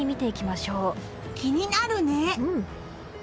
気になるね！